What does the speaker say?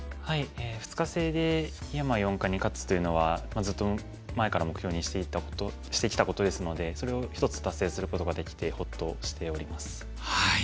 ２日制で井山四冠に勝つというのはずっと前から目標にしてきたことですのでそれを一つ達成することができてほっとしております。